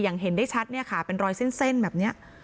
อย่างเห็นได้ชัดเนี่ยค่ะเป็นรอยเส้นเส้นแบบเนี้ย